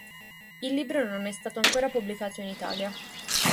Il libro non è stato ancora pubblicato in Italia.